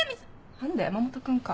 何だ山本君か。